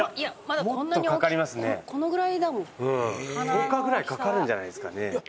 １０日ぐらいかかるんじゃないですかね。